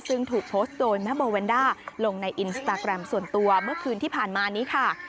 ซึ่งถูกโพสต์โดยแม่โบแวนด้าลงในอินสตาแกรมส่วนตัวเมื่อคืนที่ผ่านมานี้ค่ะ